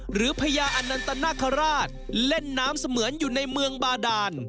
พญาอนันตนาคาราชเล่นน้ำเสมือนอยู่ในเมืองบาดาน